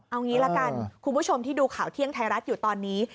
เอางี้ละกันคุณผู้ชมที่ดูข่าวเที่ยงไทยรัฐอยู่ตอนนี้